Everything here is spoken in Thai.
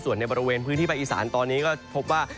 ส่วนในบริเวณพื้นที่ภาคอีสานตอนนี้ก็พบว่า